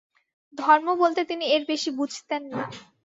ধর্ম বলতে তিনি এর বেশী বুঝতেন না।